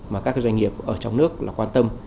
mà các doanh nghiệp ở trong nước là quan tâm